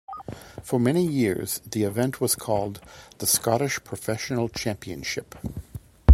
For many years the event was called the Scottish Professional Championship.